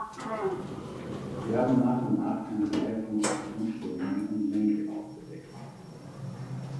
Wir haben nach und nach eine Reihe von Funktionsstörungen und Mängel aufgedeckt.